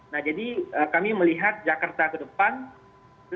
nah jadi kami melihat jakarta ke depan adalah jakarta mana pemimpinnya itu punya kompetensi